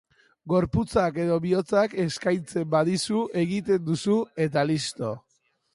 Gorputzak edo bihotzak eskatzen badizu, egiten duzu eta listo.